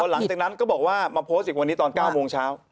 หลังจากนั้นก็บอกว่ามาโพสต์อีกวันนี้ตอน๙โมงเช้า